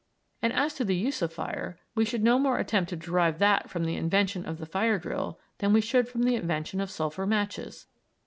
And as to the use of fire, we should no more attempt to derive that from the invention of the fire drill than we should from the invention of sulphur matches.